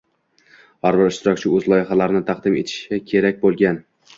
Har bir ishtirokchi o‘z loyihalarini taqdim etishi kerak bo'lgan.